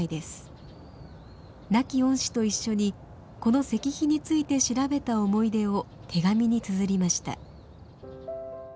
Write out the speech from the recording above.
亡き恩師と一緒にこの石碑について調べた思い出を手紙につづりました。